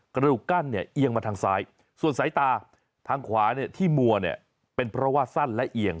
กระดูกกั้นเอียงมาทางซ้ายส่วนสายตาทางขวาที่มัวเป็นประวัติสั้นและเอียง